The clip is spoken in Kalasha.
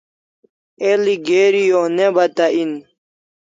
El'i geri o ne bata en